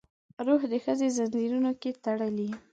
روح د ښځې ځنځیرونو کې تړلی